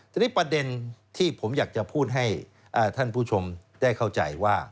ทีนี้ประเด็นที่ผมอยากจะพูดให้ท่านผู้ชมได้เข้าใจว่า